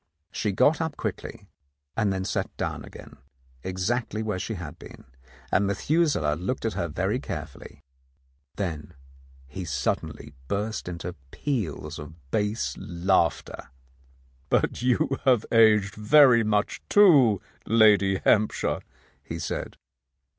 She got up quickly, and then sat down again exactly where she had been, and Methuselah looked at her very carefully. Then he suddenly burst into peals of bass laughter. "But you have aged very much, too, Lady Hamp shire," he said.